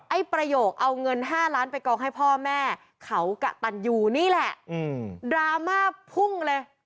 ประโยคเอาเงิน๕ล้านไปกองให้พ่อแม่เขากะตันยูนี่แหละดราม่าพุ่งเลย